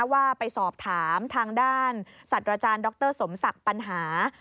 ว่าไปสอบถามทางด้านสัตว์อาจารย์ดรสมศักดิ์ปัญหา